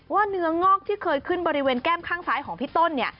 เนื้องอกที่เคยขึ้นบริเวณแก้มข้างซ้ายของพี่ต้นเนี่ย